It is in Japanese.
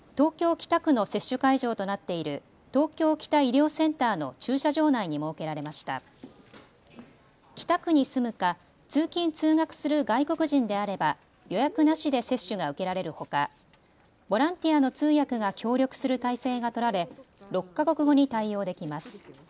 北区に住むか通勤・通学する外国人であれば予約なしで接種が受けられるほか、ボランティアの通訳が協力する態勢が取られ６か国語に対応できます。